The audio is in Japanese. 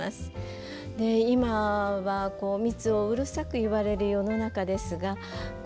今は「密」をうるさく言われる世の中ですが。